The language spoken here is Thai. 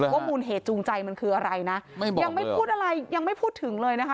มูลเหตุจูงใจมันคืออะไรนะยังไม่พูดอะไรยังไม่พูดถึงเลยนะคะ